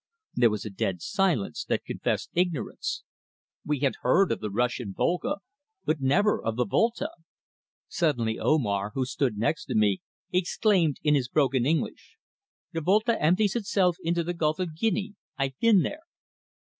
There was a dead silence that confessed ignorance. We had heard of the Russian Volga, but never of the Volta. Suddenly Omar, who stood next me, exclaimed in his broken English: "The Volta empties itself into the Gulf of Guinea. I've been there."